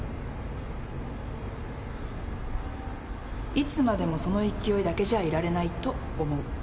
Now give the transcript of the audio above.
いつまでもその勢いだけじゃいられないと思う。